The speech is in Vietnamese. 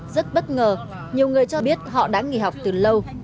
rất bất ngờ nhiều người cho biết họ đã nghỉ học từ lâu